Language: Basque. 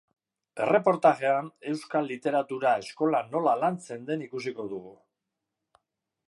Erreportajean, euskal literatura eskolan nola lantzen den ikusiko dugu.